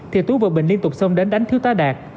thì tú và bình liên tục xông đến đánh thiếu tá đạt